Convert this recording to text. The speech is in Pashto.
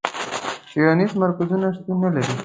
څېړنیز مرکزونه شتون نه لري.